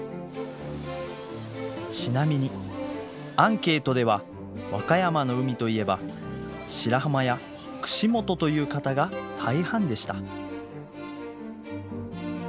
ちなみにアンケートでは和歌山の海といえば白浜や串本という方が大半でした。